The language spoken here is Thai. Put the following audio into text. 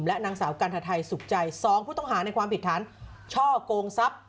และนางสาวกันทไทยสุขใจ๒ผู้ต้องหาในความผิดฐานช่อกงทรัพย์